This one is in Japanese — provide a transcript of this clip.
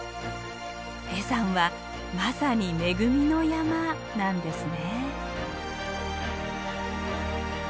恵山はまさに恵みの山なんですね。